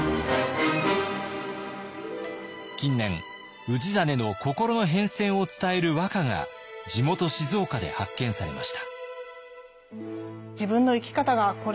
近年氏真の心の変遷を伝える和歌が地元静岡で発見されました。